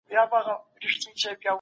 د ګډو اصولو او خلوص غوښتنه کوي.